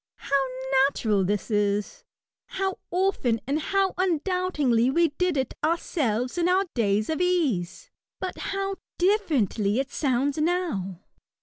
How natural this is ! How often and how undoubtingly we did it ourselves, in our days of ease ! But how differently it sounds now